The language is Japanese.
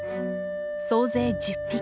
総勢１０匹。